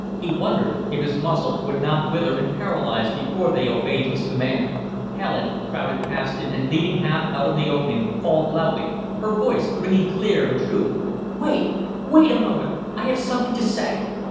He wondered if his muscles would not wither and paralyze before they obeyed his command. Helen crowded past him and, leaning half out of the opening, called loudly, her voice ringing clear and true: "Wait! Wait a moment. I have something to say.